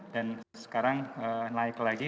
dan sekarang naik lagi